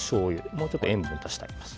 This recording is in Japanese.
もうちょっと塩みを足してあげます。